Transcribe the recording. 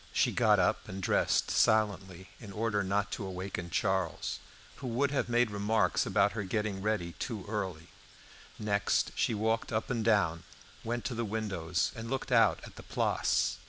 She got up and dressed silently, in order not to awaken Charles, who would have made remarks about her getting ready too early. Next she walked up and down, went to the windows, and looked out at the Place.